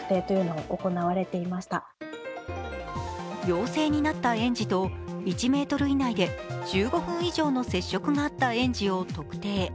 陽性になった園児と１ｍ以内で１５分以上の接触があった園児を特定。